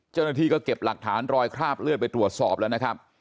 เจ้าหน้าที่ก็เก็บหลักฐานรอยคราบเลือดไปตรวจสอบแล้วนะครับ